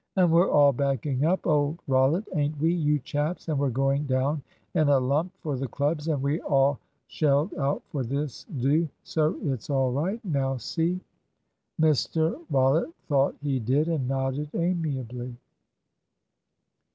And we're all backing up old Rollitt, ain't we, you chaps, and we're going down in a lump for the clubs; and we all shelled out for this do; so it's all right now. See?" Mr Rollitt thought he did, and nodded amiably.